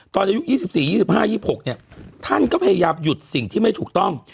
อายุ๒๔๒๕๒๖เนี่ยท่านก็พยายามหยุดสิ่งที่ไม่ถูกต้อง